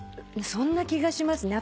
そんな気がしますね。